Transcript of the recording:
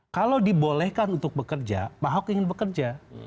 kalau dibolehkan untuk bekerja pak ahok ingin bekerja